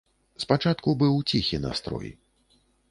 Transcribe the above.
Спачатку быў ціхі настрой.